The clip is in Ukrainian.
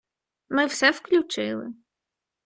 ми все включили.